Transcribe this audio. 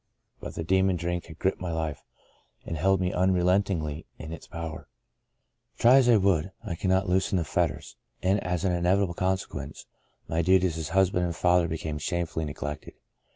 But the demon Drink had gripped my life, and held me unrelentingly in its power. Try as I would, I could not loosen the fetters, and as an inevitable consequence, my duties as husband and father became shamefully neglected.